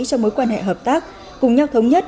trong mối quan hệ hợp tác cùng nhau thống nhất